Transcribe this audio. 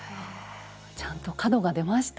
ちゃんと角が出ました。